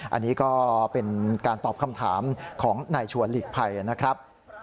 อันนี้ก็เป็นการตอบคำถามของนายชวนหลีกภัยนะครับ